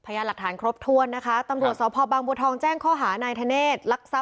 พยาบาทรัฐานครบถ้วนนะคะตำรวจศบางบุตรทองจังข้อหานายธเนส